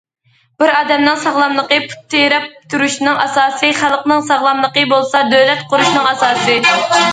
بىر ئادەمنىڭ ساغلاملىقى پۇت تىرەپ تۇرۇشنىڭ ئاساسى، خەلقنىڭ ساغلاملىقى بولسا، دۆلەت قۇرۇشنىڭ ئاساسى.